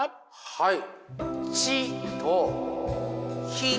はい！